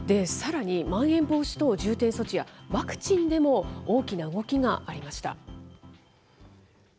さらに、まん延防止等重点措置やワクチンでも大きな動きがありました。